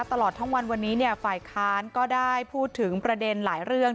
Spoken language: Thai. ตลอดทั้งวันวันนี้ฝ่ายค้านก็ได้พูดถึงประเด็นหลายเรื่อง